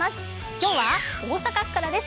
今日は大阪府からです。